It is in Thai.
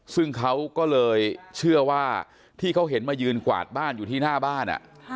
ซึ่งเขาก็เลยเชื่อว่าที่เขาเห็นมายืนกวาดบ้านอยู่ที่หน้าบ้าน